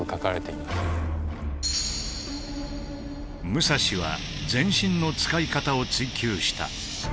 武蔵は全身の使い方を追求した。